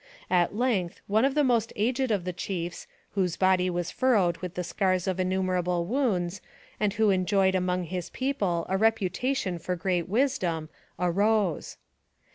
At length one of the most aged of the chiefs, whose body was furrowed with the scars of innumerable wounds, and who enjoyed among his people a reputation for great wisdom, arose.